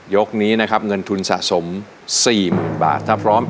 ยกนี้นะครับเงินทุนสะสม๔๐๐๐๐บาทครับพร้อมอินโปรยกที่๔ของคุณชายเล็กมาเลยครับ